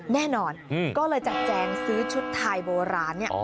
แน่นอนก็เลยจัดแจงซื้อชุดไทยโบราณ